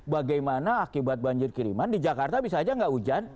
bagaimana akibat banjir kiriman di jakarta bisa aja nggak hujan